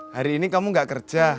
hari ini kamu gak kerja